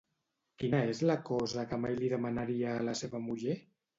Quina és la cosa que mai li demanaria a la seva muller?